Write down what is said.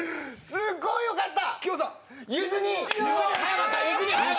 すっごいよかった！